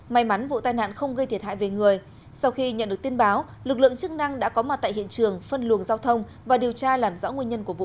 may mắn vụ tai nạn không gây thiệt hại về người sau khi nhận được tin báo lực lượng chức năng đã có mặt tại hiện trường phân luồng giao thông và điều tra làm rõ nguyên nhân của vụ